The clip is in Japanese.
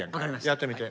やってみて。